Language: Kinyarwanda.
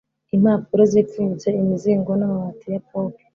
impapuro zipfunyitse imizingo n'amabati ya pop